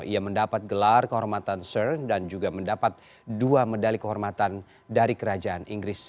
ia mendapat gelar kehormatan sur dan juga mendapat dua medali kehormatan dari kerajaan inggris